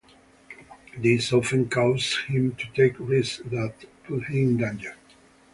This often causes him to take risks that put him in danger.